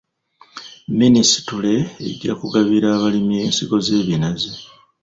Minisitule ejja kugabira abalimi ensigo z'ebinazi.